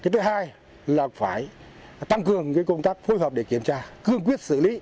thứ hai là phải tăng cường công tác phối hợp để kiểm tra cương quyết xử lý